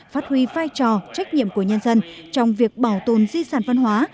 phát huy vai trò trách nhiệm của nhân dân trong việc bảo tồn di sản văn hóa